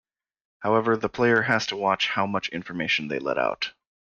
However, the player has to watch how much information they let out.